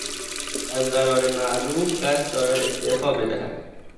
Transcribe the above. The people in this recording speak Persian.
از قرار معلوم قصد دارد استعفا بدهد.